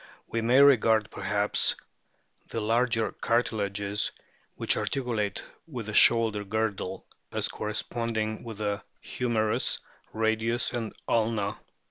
We may regard, perhaps, the larger cartilages which articulate with the shoulder girdle as corresponding with the humerus, radius, and ulna.